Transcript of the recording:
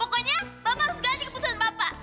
pokoknya bapak harus ganti keputusan bapak